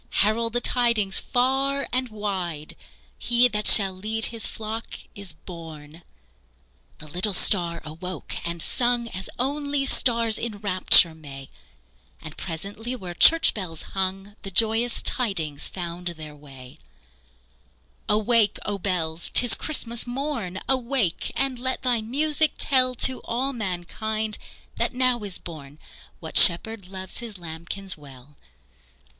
Herald the tidings far and wide He that shall lead His flock is born!" The little star awoke and sung As only stars in rapture may, And presently where church bells hung The joyous tidings found their way. [Illustration: Share thou this holy time with me, The universal hymn of love. ] "Awake, O bells! 't is Christmas morn Awake and let thy music tell To all mankind that now is born What Shepherd loves His lambkins well!"